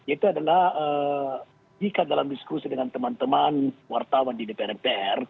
itu adalah jika dalam diskusi dengan teman teman wartawan di dpr mpr